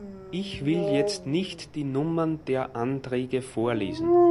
Ich will jetzt nicht die Nummern der Anträge vorlesen.